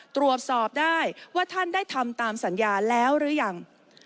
ตรวจสอบได้ว่าท่านได้ทำตามสัญญาแล้วหรือยัง